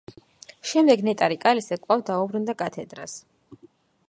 შემდეგ ნეტარი კალისტე კვლავ დაუბრუნდა კათედრას.